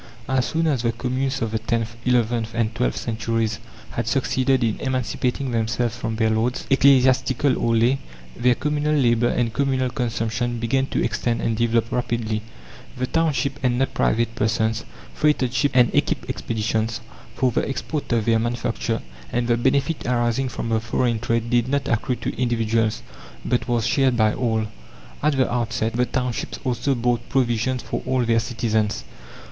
As soon as the communes of the tenth, eleventh, and twelfth centuries had succeeded in emancipating themselves from their lords, ecclesiastical or lay, their communal labour and communal consumption began to extend and develop rapidly. The township and not private persons freighted ships and equipped expeditions, for the export of their manufacture, and the benefit arising from the foreign trade did not accrue to individuals, but was shared by all. At the outset, the townships also bought provisions for all their citizens.